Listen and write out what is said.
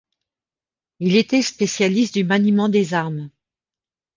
Il était spécialiste du maniement des armes.